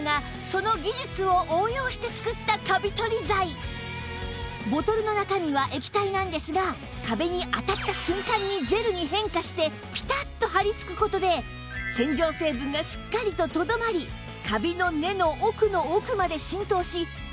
実はこちらボトルの中身は液体なんですが壁に当たった瞬間にジェルに変化してピタッと張りつく事で洗浄成分がしっかりととどまりカビの根の奥の奥まで浸透し高い効果を発揮